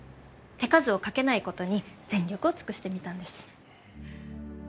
手数をかけないことに全力を尽くしてみたんです。